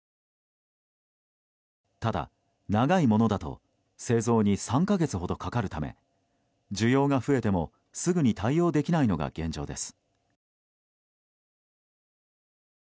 ただ、長いものだと製造に３か月ほどかかるため需要が増えても、すぐに対応できないのが現状です。